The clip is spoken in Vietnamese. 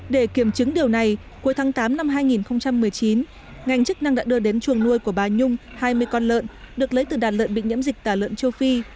để kiểm chứng điều này cuối tháng tám năm hai nghìn một mươi chín ngành chức năng đã đưa đến chuồng nuôi của bà nhung hai mươi con lợn được lấy từ đàn lợn bị nhiễm dịch tả lợn châu phi